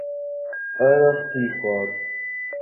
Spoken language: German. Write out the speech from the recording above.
Earl of Seaforth.